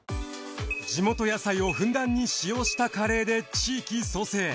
地元野菜をふんだんに使用したカレーで地域創生。